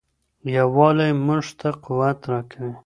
یووالی موږ ته قوت راکوي.